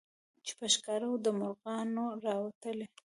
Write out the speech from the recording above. چي په ښکار وو د مرغانو راوتلی